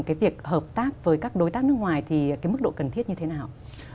cái việc hợp tác với các đối tác nước ngoài thì cái mức độ cần thiết như thế nào